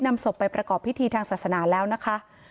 นำศพไปประกอบพิธีทางศาสนาแล้วนะคะ